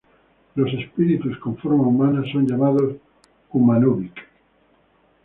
Los espíritus con forma humanas son llamados"Humanubic"'.